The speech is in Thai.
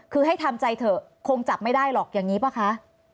คือให้ทำใจเถอะคงจับไม่ได้หรอกอย่างนี้ป่ะคะ